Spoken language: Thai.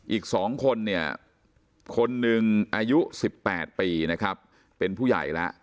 อีก๒คนเนี่ยคนหนึ่งอายุ๑๘ปีนะครับเป็นผู้ใหญ่แล้ว